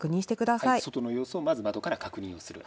はい、外の様子をまず窓から確認する。